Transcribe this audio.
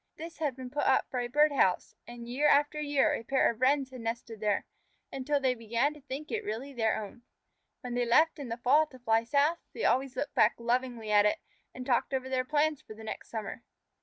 This had been put up for a bird house, and year after year a pair of Wrens had nested there, until they began to think it really their own. When they left it in the fall to fly south, they always looked back lovingly at it, and talked over their plans for the next summer.